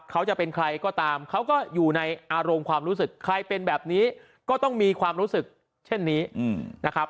เขาจะเป็นใครก็ตามเขาก็อยู่ในอารมณ์ความรู้สึกใครเป็นแบบนี้ก็ต้องมีความรู้สึกเช่นนี้นะครับ